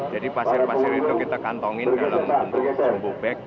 jadi pasir pasir itu kita kantongin dalam bentuk sumbu beg